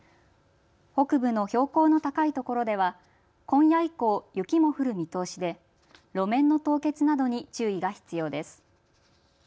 北部の標高の高いところでは今夜以降、雪も降る見通しで路面の凍結などに注意が必要です。